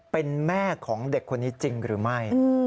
เป็นแม่ของเด็กคนนี้จริงหรือไม่